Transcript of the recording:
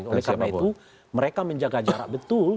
oleh karena itu mereka menjaga jarak betul